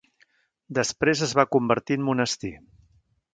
Després es va convertir en monestir.